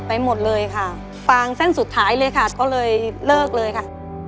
ไปหมดเลยค่ะฟางเส้นสุดท้ายเลยค่ะก็เลยเลิกเลยค่ะ